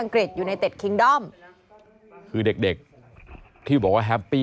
กินขออาหาร